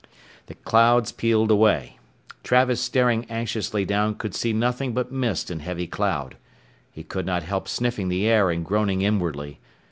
The clouds peeled away. Travis staring anxiously down could see nothing but mist and heavy cloud. He could not help sniffing the air and groaning inwardly.